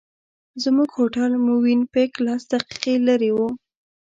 زموږ هوټل مووېن پېک لس دقیقې لرې و.